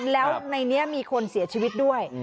แล้วในนี้มีคนเสียชีวิตด้วย